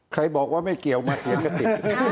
ใครบอกว่าไม่เกี่ยวมาเขียนกระติก